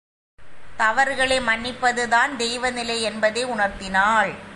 தவறுகளை மன்னிப்பதுதான் தெய்வநிலை என்பதை உணர்த்தினாள்.